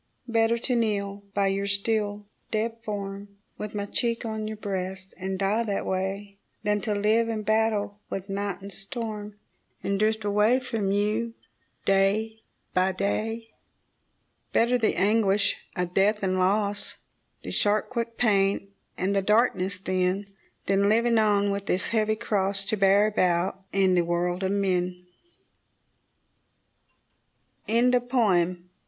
Better to kneel by your still dead form, With my cheek on your breast, and die that way, Than to live and battle with night and storm, And drift away from you day by day. Better the anguish of death and loss, The sharp, quick pain, and the darkness, then, Than living on with this heavy cross To bear about in the world of men. THE NIGHT Oh!